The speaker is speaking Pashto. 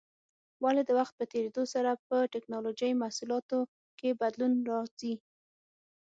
ولې د وخت په تېرېدو سره په ټېکنالوجۍ محصولاتو کې بدلون راځي؟